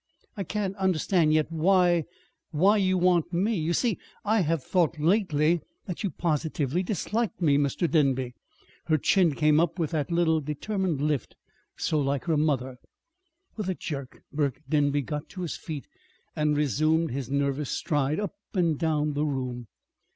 "I can't understand yet why why you want me. You see, I I have thought lately that that you positively disliked me, Mr. Denby." Her chin came up with the little determined lift so like her mother. With a jerk Burke Denby got to his feet and resumed his nervous stride up and down the room.